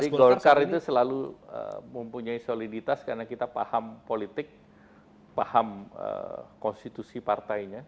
jadi golkar itu selalu mempunyai soliditas karena kita paham politik paham konstitusi partainya